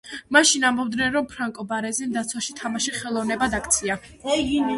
მაშინ ამბობდნენ, რომ ფრანკო ბარეზიმ დაცვაში თამაში ხელოვნებად აქცია.